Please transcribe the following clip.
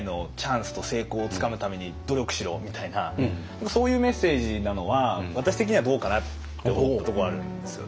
でもそういうメッセージなのは私的にはどうかなって思うとこはあるんですよね。